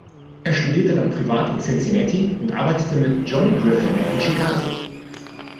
Er studierte dann privat in Cincinnati und arbeitete mit Johnny Griffin in Chicago.